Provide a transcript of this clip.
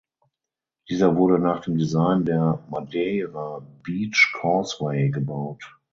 Diese wurde nach dem Design der Madeira Beach Causeway gebaut.